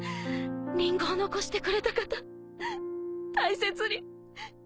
リンゴを残してくれた方大切にいただきます。